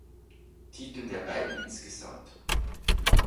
Titel der beiden insgesamt.